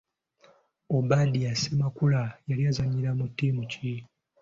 Obadia Ssemakula yali azannyira mu ttiimu ki ?